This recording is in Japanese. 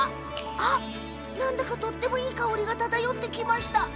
あ、なんだかとってもいい香りが漂ってきました。